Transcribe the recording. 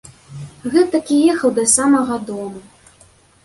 Гэтак і ехаў да самага дому.